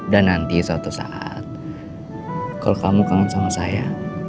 dan nanti suatu saat kalau kamu kangen sama saya